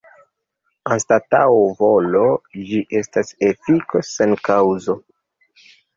Anstataŭ volo, ĝi estas efiko sen kaŭzo.